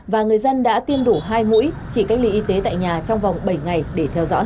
và người dân đã tiêm đủ hai mũi chỉ cách ly y tế tại nhà trong vòng bảy ngày để theo dõi